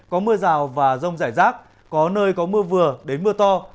có mưa rào và rông rải rác có nơi có mưa vừa đến mưa to